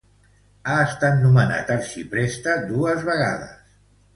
Ha estat nomenat arxipreste dos vegades.